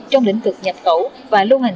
trong lĩnh vực nhập khẩu và lưu hành